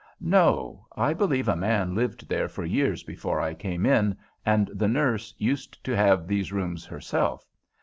"No. I believe a man lived there for years before I came in, and the nurse used to have these rooms herself.